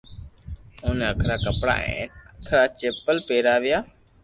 اوني ھکرا ڪپڙا ھين ھکرا چپل پيراويا